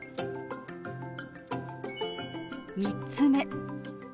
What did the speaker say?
３つ目。